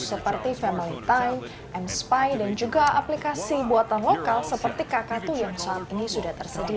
seperti family time m spy dan juga aplikasi buatan lokal seperti kktu yang saat ini sudah tersedia